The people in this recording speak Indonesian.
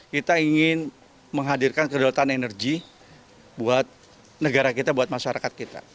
kita ingin menghadirkan kedaulatan energi buat negara kita buat masyarakat kita